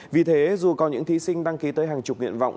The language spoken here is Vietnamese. vì thế dù có những thí sinh đăng ký tới hàng chục nghiện vọng